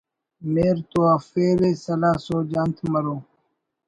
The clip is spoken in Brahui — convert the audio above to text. مہر تو افیرے سلاہ سوج انت مرو